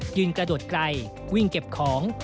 กระโดดไกลวิ่งเก็บของ